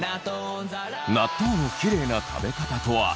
納豆のキレイな食べ方とは？